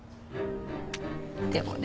でもね